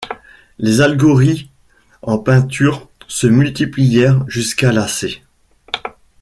Les allégories en peinture se multiplièrent, jusqu'à lasser.